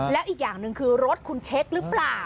แล้วอีกอย่างหนึ่งคือรถคุณเช็คหรือเปล่า